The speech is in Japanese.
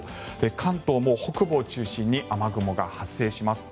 関東も北部を中心に雨雲が発生します。